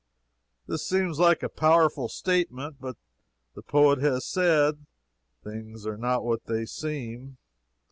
This seems like a powerful statement, but the poet has said, "Things are not what they seem."